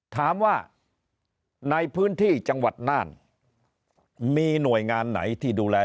ถามว่าในพื้นที่จังหวัดน่านมีหน่วยงานไหนที่ดูแล